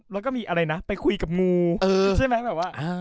แล้วก็มีอะไรนะไปคุยกับงูใช่ไหมแบบว่า